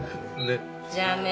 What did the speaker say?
じゃあね。